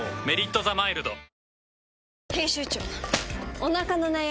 「メリットザマイルド」